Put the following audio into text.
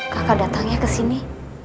kakak datang ya kesini